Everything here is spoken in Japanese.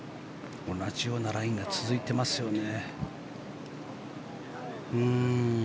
同じようなラインが続いていますよね。